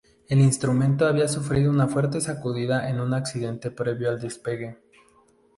El instrumento había sufrido una fuerte sacudida en un incidente previo al despegue.